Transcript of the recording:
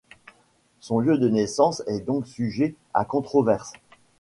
Son lieu de naissance est donc sujet à controverse.